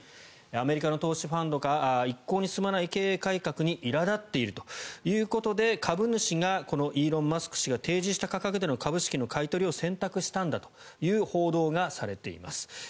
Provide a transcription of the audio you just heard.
アメリカの投資ファンドが一向に進まない経営改革にいら立っているということで株主がこのイーロン・マスク氏が提示した価格での株式の買い取りを選択したんだという報道がされています。